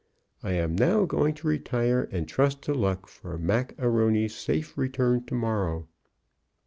I am now going to retire, and trust to luck for Mac A'Rony's safe return to morrow."